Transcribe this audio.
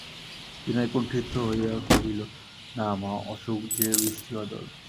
বিনয় কুণ্ঠিত হইয়া কহিল, না, মা, অসুখ– যে বৃষ্টিবাদল!